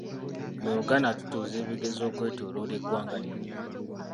Mu Uganda, tutuuza ebigezo okwetooloola eggwanga lyonna.